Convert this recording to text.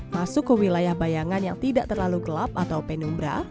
masuk ke wilayah bayangan yang tidak terlalu gelap atau penumbra